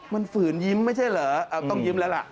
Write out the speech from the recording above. มันฝืนยิ้มไม่ใช่เหรอต้องยิ้มแล้วล่ะ